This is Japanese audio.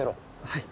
はい。